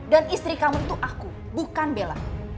dan istri kamu itu aku bukan bella